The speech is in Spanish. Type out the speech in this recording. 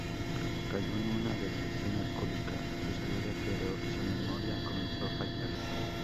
Cayó en una depresión alcohólica, su salud empeoró, y su memoria comenzó a fallar.